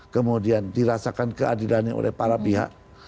kemudian dirasakan keadilannya oleh para pihak